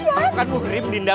bukan muhrim dinda